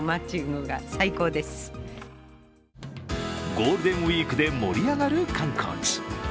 ゴールデンウイークで盛り上がる観光地。